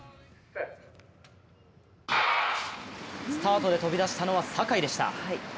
スタートで飛び出したのは坂井でした。